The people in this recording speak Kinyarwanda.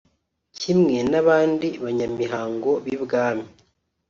Kimwe n’abandi Banyamihango b’ibwami